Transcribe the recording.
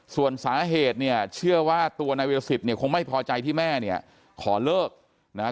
ส่วนสาเหตุเนี่ยเชื่อว่าตัวนายวิรสิตเนี่ยคงไม่พอใจที่แม่เนี่ยขอเลิกนะฮะ